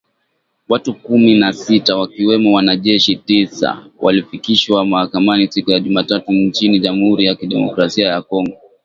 Watu kumi na sita wakiwemo wanajeshi tisa walifikishwa mahakamani siku ya Jumatatu nchini Jamuhuri ya Kidemokrasia ya Kongo